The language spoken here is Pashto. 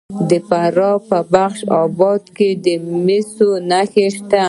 د فراه په بخش اباد کې د مسو نښې شته.